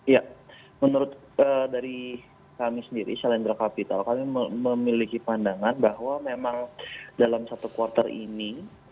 ya menurut dari kami sendiri selendra kapital kami memiliki pandangan bahwa memang dalam satu quarter ini